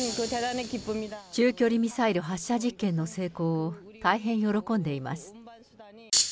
中距離ミサイル発射実験の成功を大変喜んでいます。